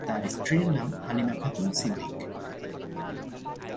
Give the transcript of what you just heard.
তার স্ত্রীর নাম হালিমা খাতুন সিদ্দিক।